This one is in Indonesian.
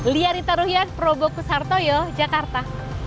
liarita ruhian probokus harto yoh jakarta